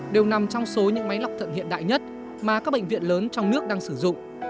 đều nằm trong số những máy lọc thận hiện đại nhất mà các bệnh viện lớn trong nước đang sử dụng